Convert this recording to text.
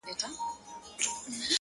هغه به زما له سترگو’